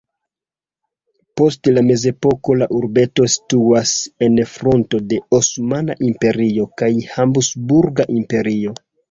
Post la mezepoko la urbeto situis en fronto de Osmana Imperio kaj Habsburga Imperio.